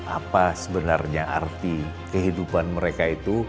apa sebenarnya arti kehidupan mereka itu